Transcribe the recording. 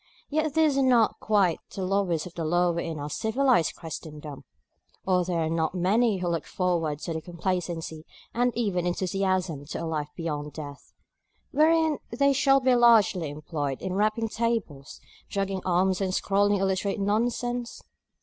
Yet these are not quite the lowest of the low in our civilised Christendom; or are there not many who look forward with complacency and even enthusiasm to a life beyond death, wherein they shall be largely employed in rapping tables, jogging arms and scrawling illiterate nonsense?